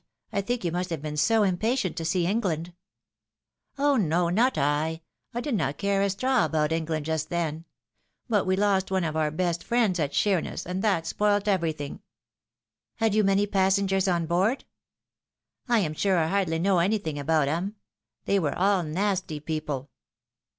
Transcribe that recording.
I think you must have been so impatient to see England !"" Oh no, not I ! I did not care a straw about England just then. But we lost one of our best friends at Sheemess, and that spoilt everything." " Had you many passengers on board ?"" I am sure I hardly know anything about 'em. They were all nasty people."